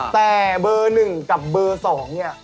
แต่เบอร์๑กับเบอร์๒เนี่ย